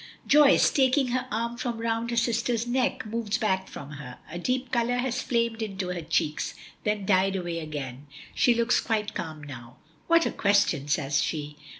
Joyce, taking her arm from round her sister's neck, moves back from her. A deep color has flamed into her cheeks, then died away again. She looks quite calm now. "What a question," says she.